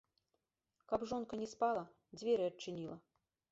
Каб жонка не спала, дзверы адчыніла.